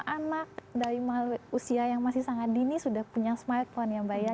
anak dari usia yang masih sangat dini sudah punya smartphone ya mbak ya